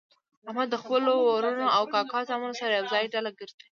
احمد د خپلو ورڼو او کاکا زامنو سره ېوځای ډله ګرځي.